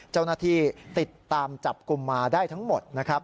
เจ้าหน้าที่ติดตามจับกลุ่มมาได้ทั้งหมดนะครับ